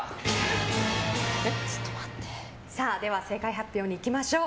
正解発表にいきましょう。